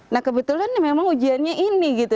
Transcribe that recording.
nah kebetulan memang ujiannya ini gitu